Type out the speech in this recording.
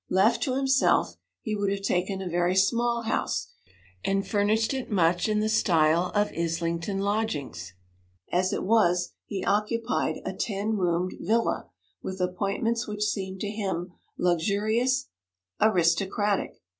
Left to himself, he would have taken a very small house, and furnished it much in the style of Islington lodgings; as it was, he occupied a ten roomed 'villa', with appointments which seemed to him luxurious, aristocratic.